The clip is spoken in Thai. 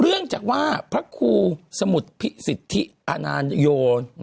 เรื่องจากว่าพระครูสมุทรพิสิทธิอนานโย